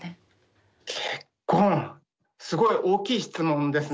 結婚すごい大きい質問ですね